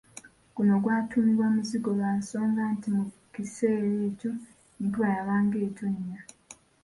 Guno gwatuumibwa Muzigo lwa nsonga nti mu kiseera ekyo enkuba yabanga etonnya.